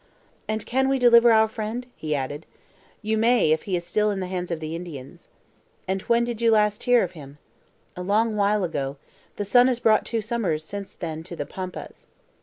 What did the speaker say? "And can we deliver our friend?" he added. "You may if he is still in the hands of the Indians." "And when did you last hear of him?" "A long while ago; the sun has brought two summers since then to the Pampas."